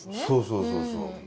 そうそうそうそう。